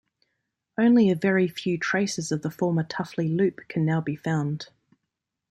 Only a very few traces of the former Tuffley Loop can now be found.